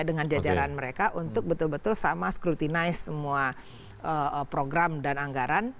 dengan jajaran mereka untuk betul betul sama scrutinize semua program dan anggaran